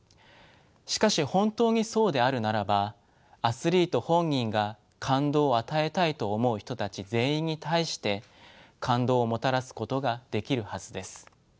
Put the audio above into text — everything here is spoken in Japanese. しかし本当にそうであるならばアスリート本人が「感動を与えたい」と思う人たち全員に対して感動をもたらすことができるはずです。